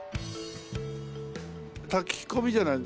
炊き込みじゃない。